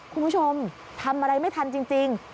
คุณผู้ชมทำอะไรไม่ทันจริง